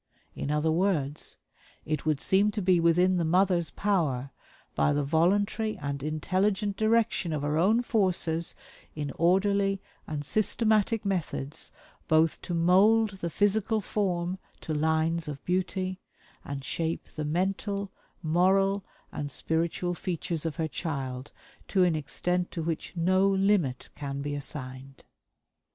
In other words, it would seem to be within the mother's power, by the voluntary and intelligent direction of her own forces, in orderly and systematic methods, both to mold the physical form to lines of beauty, and shape the mental, moral, and spiritual features of her child to an extent to which no limit can be assigned."